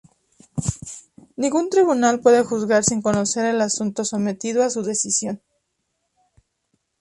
Ningún tribunal puede juzgar sin conocer el asunto sometido a su decisión.